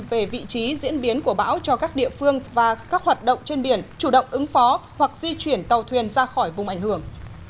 về vị trí diễn biến của bão cho các địa phương và các hoạt động trên biển chủ động ứng phó hoặc di chuyển tàu thuyền ra khỏi vùng ảnh hưởng